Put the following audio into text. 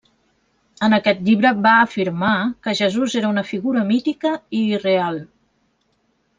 En aquest llibre va afirmar que Jesús era una figura mítica i irreal.